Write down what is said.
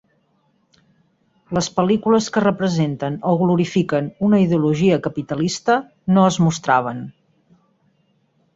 Les pel·lícules que representen o glorifiquen una ideologia capitalista no es mostraven.